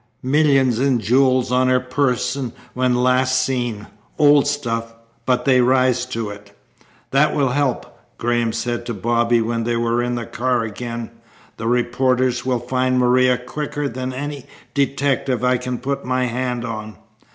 Millions in jewels on her person when last seen.' Old stuff, but they rise to it." "That will help," Graham said to Bobby when they were in the car again. "The reporters will find Maria quicker than any detective I can put my hand on.